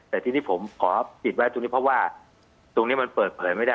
แต่ทีนี้ผมขอปิดไว้ตรงนี้เพราะว่าตรงนี้มันเปิดเผยไม่ได้